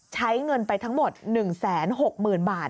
ใช้เงินไปทั้งหมด๑๖๐๐๐บาท